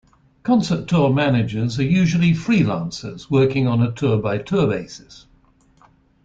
Concert tour managers are usually freelancers working on a tour-by-tour basis.